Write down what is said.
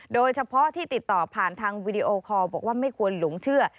โดยเฉพาะที่ติดต่อผ่านทางวีดีโอคอลบอกว่าไม่ควรหลงเชื่อ